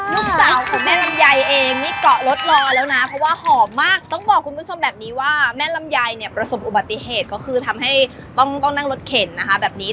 ลูกสาวของแม่ลำไยเองนี่เกาะรถรอแล้วนะเพราะว่าหอมมากต้องบอกคุณผู้ชมแบบนี้ว่าแม่ลำไยเนี่ยประสบอุบัติเหตุก็คือทำให้ต้องนั่งรถเข็นนะคะแบบนี้